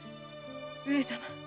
上様。